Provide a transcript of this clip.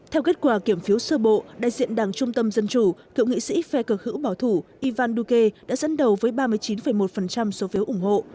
theo kết quả kiểm phiếu sơ bộ đại diện đảng trung tâm dân chủ cựu nghị sĩ phe cực hữu bảo thủ ivan duque đã dẫn đầu với ba mươi chín một số phiếu ủng hộ